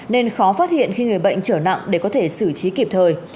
nên khó phát hiện khi người bệnh trở nặng để có thể xử trí kịp thời